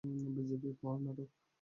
BJP Karnataka